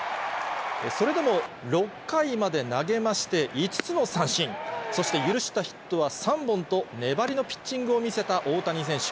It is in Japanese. それでも６回まで投げまして、５つの三振、そして許したヒットは３本と、粘りのピッチングを見せた大谷選手。